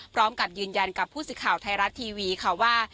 พร้อมกับยืนยันกับผู้สื่อข่าวไทยรัฐทีวีค่ะว่า